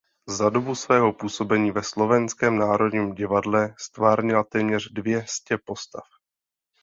Za dobu svého působení ve Slovenském národním divadle ztvárnila téměř dvě stě postav.